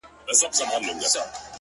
• زه په تا پسي ځان نه سم رسولای ,